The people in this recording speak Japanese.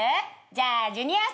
じゃあジュニアさん。